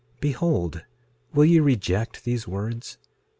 6:8 Behold, will ye reject these words?